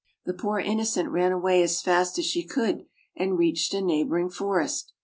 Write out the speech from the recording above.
The poor innocent ran away as fast as she could, and reached a neighboring forest.